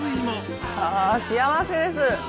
あ幸せです。